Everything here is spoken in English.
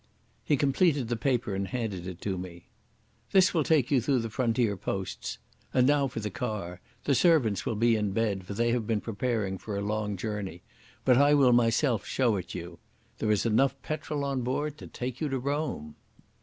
He completed the paper and handed it to me. "This will take you through the frontier posts. And now for the car. The servants will be in bed, for they have been preparing for a long journey, but I will myself show it you. There is enough petrol on board to take you to Rome."